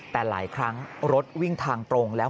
แต่หลายครั้งรถวิ่งทางตรงแล้ว